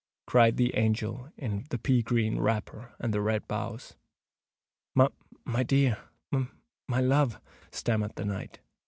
cried the angel in the pea green wrapper and the red bows. "My dear!—my love!" stammered the knight.